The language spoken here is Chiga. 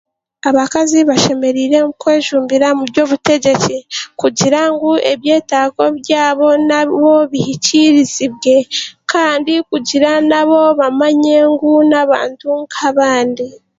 Abakazi bashemereire kwejumbira mu byobutegyeki kugira ngu ebyetaago byabo nabo bihikiirizibwe kandi kugira nabo bamanye ngu n'abantu nk'abandi.